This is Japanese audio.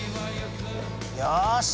よし！